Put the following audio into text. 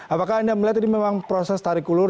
apakah anda melihat ini memang proses tarik ulur